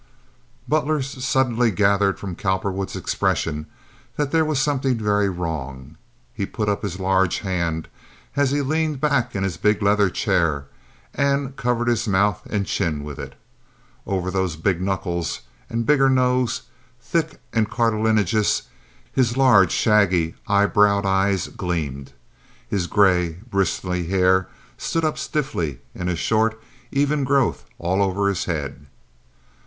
Butler suddenly gathered from Cowperwood's expression that there was something very wrong. He put up his large hand as he leaned back in his big leather chair, and covered his mouth and chin with it. Over those big knuckles, and bigger nose, thick and cartilaginous, his large, shaggy eyebrowed eyes gleamed. His gray, bristly hair stood up stiffly in a short, even growth all over his head.